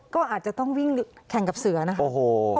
ก็อาจจะต้องวิ่งแข่งกับเสือนะคะ